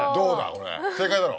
これ正解だろ？